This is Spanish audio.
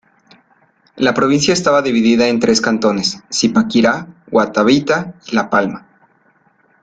La provincia estaba dividida en tres cantones: Zipaquirá, Guatavita y La Palma.